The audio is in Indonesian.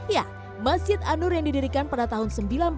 ya masjid anur yang didirikan pada tahun seribu sembilan ratus enam puluh